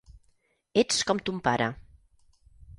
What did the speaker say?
Ets com ton pare.